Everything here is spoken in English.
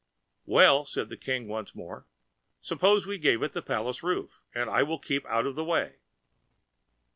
"Well," said the King once more, "suppose we give it the palace roof, and I will keep out of the way."